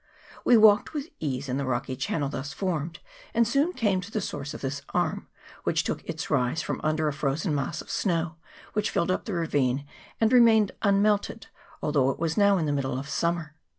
We walked with ease in the rocky channel thus formed, and soon came to the source of this arm, which took its rise from under a frozen mass of snow which filled up the ravine and remained unmelted, although it was now the middle of summer.